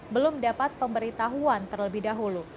belum dapat pemberitahuan terlebih dahulu